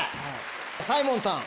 サイモンさん。